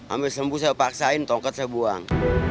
ambil sembuh saya paksain tongkat saya buang